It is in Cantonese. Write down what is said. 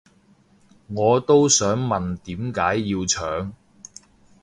我都想問點解要搶